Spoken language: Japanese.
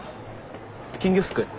金魚すくい？